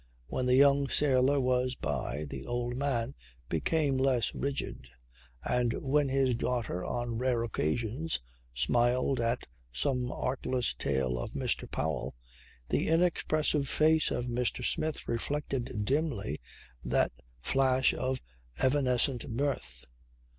When the young sailor was by, the old man became less rigid, and when his daughter, on rare occasions, smiled at some artless tale of Mr. Powell, the inexpressive face of Mr. Smith reflected dimly that flash of evanescent mirth.